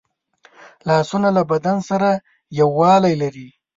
لاسونه له بدن سره یووالی لري